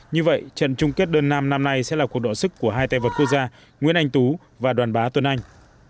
như vậy trận chung kết đơn nam năm nay sẽ là cuộc đọ sức của hai tay vợt quốc gia nguyễn anh tú và đoàn bá tuấn anh